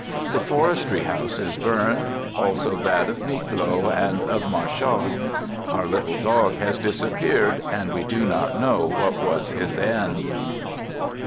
The forestry house is burned, also that of Miclo and of Marchal. Our little dog has disappeared, and we do not know what was his end.